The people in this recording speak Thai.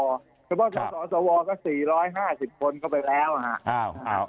เรื่องสาวสาวอวอก็๔๕๐คนเข้าไปแล้ว